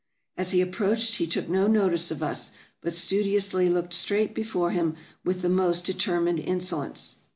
As he approached he took no notice of us, but studiously looked straight before him with the most determined insolence.